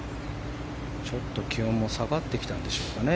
ちょっと気温も下がってきたんでしょうかね。